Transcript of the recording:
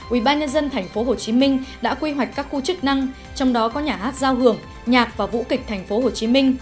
ubnd tp hcm đã quy hoạch các khu chức năng trong đó có nhà hát giao hưởng nhạc và vũ kịch tp hcm